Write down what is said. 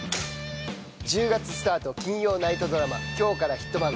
１０月スタート金曜ナイトドラマ「今日からヒットマン」